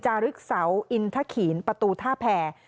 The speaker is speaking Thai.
ึกเสาอินทะขีนประตูท่าแผ่